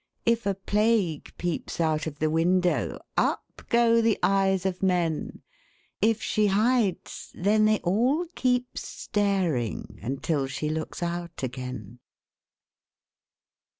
If a Plague peeps out of the window, Up go the eyes of men; If she hides, then they all keep staring Until she looks out again.